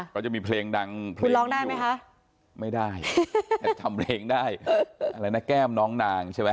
ก็จะมีเพลงดังเพลงร้องได้ไหมคะไม่ได้แต่จำเพลงได้อะไรนะแก้มน้องนางใช่ไหม